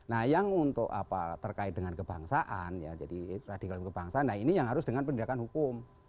nah yang untuk apa terkait dengan kebangsaan ya jadi radikalisme kebangsaan nah ini yang harus dengan pendidikan hukum